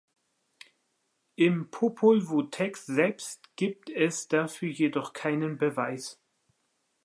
Im Popol Vuh Text selbst gibt es dafür jedoch keinen Beweis.